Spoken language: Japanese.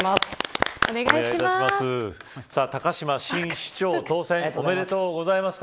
高島新市長当選おめでとうございます。